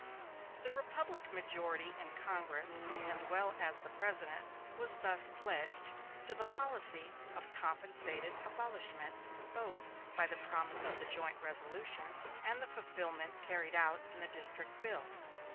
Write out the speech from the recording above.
The Republican majority in Congress as well as the President was thus pledged to the policy of compensated abolishment, both by the promise of the joint resolution and the fulfilment carried out in the District bill.